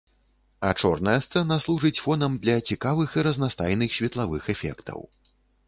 А чорная сцэна служыць фонам для цікавых і разнастайных светлавых эфектаў.